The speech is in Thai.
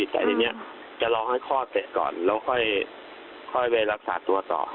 แต่ทีนี้จะรอให้คลอดเตะก่อนแล้วค่อยไปรักษาตัวต่อ